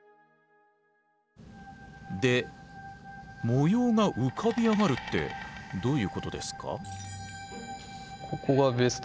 で模様が浮かび上がるってどういうことですか？